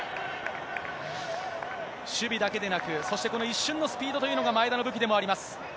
守備だけでなく、そして、この一瞬のスピードというのが前田の武器でもあります。